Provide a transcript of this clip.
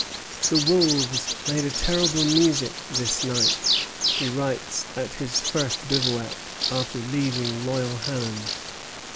"The wolves made a terrible music this night," he writes at his first bivouac after leaving Loyalhannon.